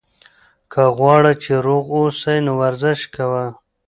که غواړې چې روغ اوسې، نو ورزش کوه.